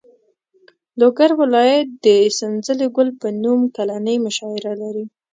لوګر ولایت د سنځلې ګل په نوم کلنۍ مشاعره لري.